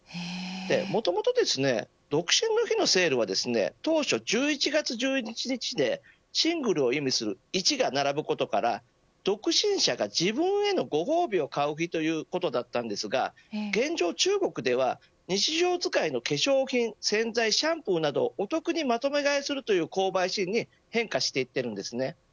もともと、独身の日のセールは当初１１月１１日でシングルを意味する１が並ぶことから独身者が自分へのご褒美を買う日いうことだったんですが現状、中国では日常使いの化粧品洗剤、シャンプーなどをお得にまとめ買いするという購買シーンに変化していっているんです。